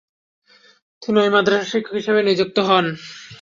তিনি ঐ মাদ্রাসার শিক্ষক হিসেবে নিযুক্ত হন।